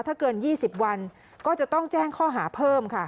ถ้าเกิน๒๐วันก็จะต้องแจ้งข้อหาเพิ่มค่ะ